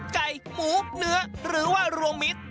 ไก่หมูเนื้อหรือว่ารวมมิตร